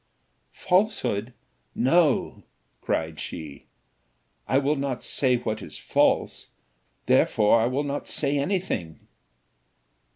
"Falsehood! No," cried she, "I will not say what is false therefore I will not say anything."